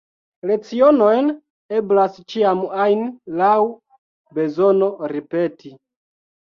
Lecionojn eblas ĉiam ajn laŭ bezono ripeti.